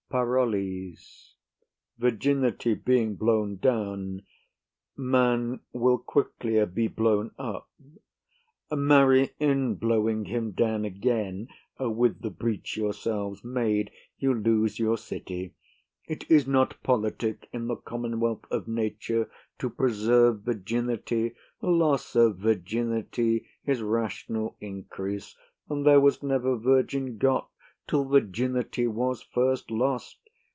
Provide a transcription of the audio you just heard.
PAROLLES. Virginity being blown down, man will quicklier be blown up; marry, in blowing him down again, with the breach yourselves made, you lose your city. It is not politic in the commonwealth of nature to preserve virginity. Loss of virginity is rational increase, and there was never virgin got till virginity was first lost.